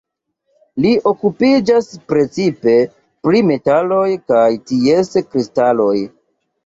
Li okupiĝas precipe pri metaloj kaj ties kristaloj.